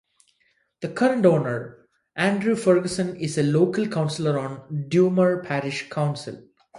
The current owner, Andrew Ferguson, is a local councillor on Dummer Parish Council.